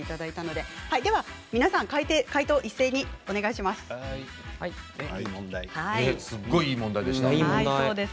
皆さん、解答を一斉にお願いします。